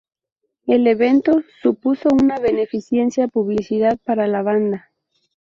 El evento supuso una beneficiosa publicidad para la banda.